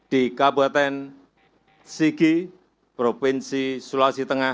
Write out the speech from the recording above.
di kabupaten sigi provinsi sulawesi tengah